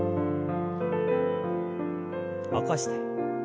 起こして。